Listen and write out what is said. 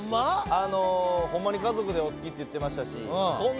あのホンマに家族でお好きって言ってましたしこん